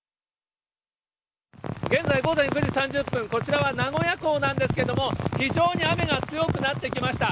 現在午前９時３０分、こちらは名古屋港なんですけれども、非常に雨が強くなってきました。